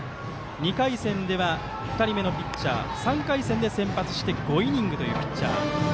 ２回戦では、２人目のピッチャー３回戦で先発して５イニングというピッチャー。